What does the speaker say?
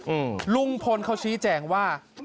อืมลุงพลเขาชี้แจงว่า